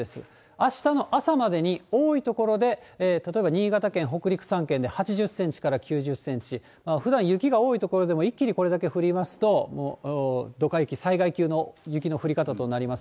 あしたの朝までに多い所で、例えば新潟県、北陸３県で８０センチから９０センチ、ふだん雪が多い所でも一気にこれだけ降りますと、どか雪、災害級の雪の降り方となります。